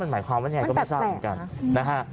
มันหมายความว่าอย่างไรก็ไม่ทราบเหมือนกัน